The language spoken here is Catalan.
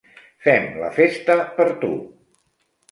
Fem la festa per tu.